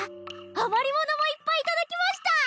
余り物もいっぱいいただきました